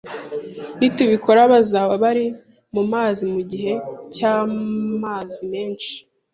Nitubikora, bazaba bari mumazi mugihe cyamazi menshi.